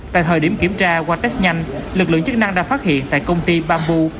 tại thời điểm kiểm tra qua test nhanh lực lượng chức năng đã phát hiện tại công ty bamboo